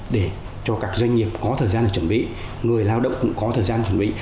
để cho các doanh nghiệp có thời gian để chuẩn bị người lao động cũng có thời gian chuẩn bị